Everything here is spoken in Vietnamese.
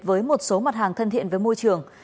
với một số mặt hàng thân thiện với môi trường